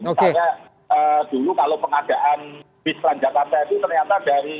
misalnya dulu kalau pengadaan bis transjakarta itu ternyata dari